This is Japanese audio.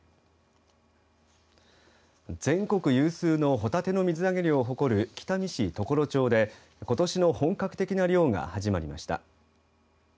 全国有数のホタテの水揚げ量を誇る北見市常呂町でことしの本格的な漁が始まりました。